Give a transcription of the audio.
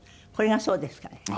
これがそうですかね？